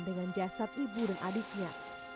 dengan jasad ibu dan adiknya